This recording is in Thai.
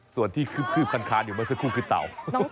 ส่วนที่คืบคานอยู่เมื่อสักครู่คือเต่า